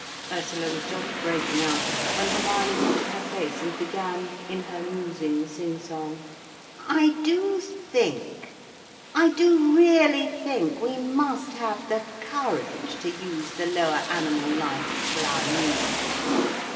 Ursula was just breaking out, when Hermione lifted her face and began, in her musing sing song: "I do think—I do really think we must have the courage to use the lower animal life for our needs.